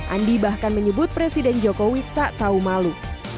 andi bahkan menyebut presiden jokowi tak tahu malu